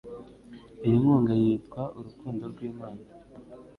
Iyi nkunga yitwa urukundo rw'Imana